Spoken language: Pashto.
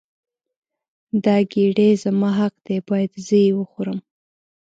دا ګیډۍ زما حق دی باید زه یې وخورم.